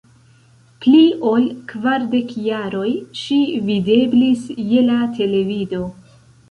Pli ol kvardek jaroj ŝi videblis je la televido.